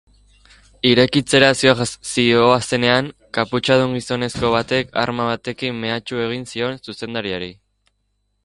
Irekitzera zihoazenean, kaputxadun gizonezko batek arma batekin mehatxu egin zion zuzendariari.